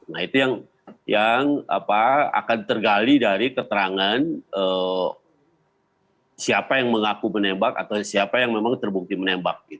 nah itu yang akan tergali dari keterangan siapa yang mengaku menembak atau siapa yang memang terbukti menembak